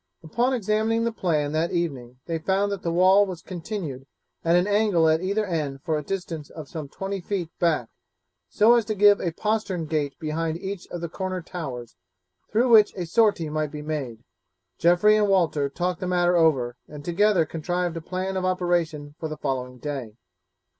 Upon examining the plan that evening they found that the wall was continued at an angle at either end for a distance of some twenty feet back so as to give a postern gate behind each of the corner towers through which a sortie might be made. Geoffrey and Walter talked the matter over, and together contrived a plan of operation for the following day.